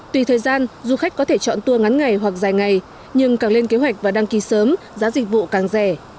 tùy thời gian du khách có thể chọn tour ngắn ngày hoặc dài ngày nhưng càng lên kế hoạch và đăng ký sớm giá dịch vụ càng rẻ